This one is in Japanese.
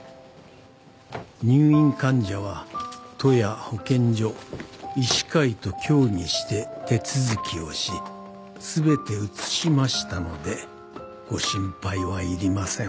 「入院患者は都や保健所医師会と協議して手続きをし全て移しましたので御心配は要りません」